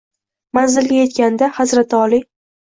Manzilga yetganda, hazrati oliy: